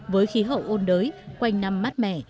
với khí hậu ôn đới quanh năm mát mẻ